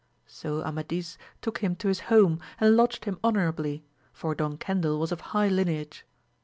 So Amadis took him to.his home, and lodged him honourably, for Don Cendil was of high lineage.